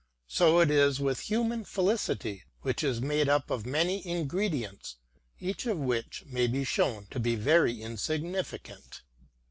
So it is with human felicity, which is made up of many ingredients, each of which may be shown to be very insignificant."